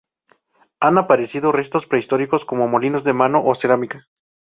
Han aparecido restos prehistóricos, como molinos de mano, o cerámica.